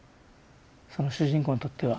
その主人公にとっては。